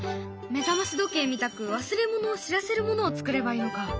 目覚まし時計みたく忘れ物を知らせるものをつくればいいのか。